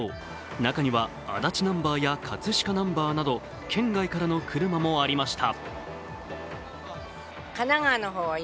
中には足立ナンバーや葛飾ナンバーなど県外からの車もありました。